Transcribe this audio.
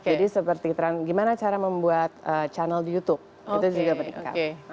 jadi seperti gimana cara membuat channel di youtube itu juga meningkat